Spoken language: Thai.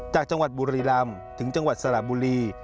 จากจังหวัดบุรีรำถึงจังหวัดสระบุรี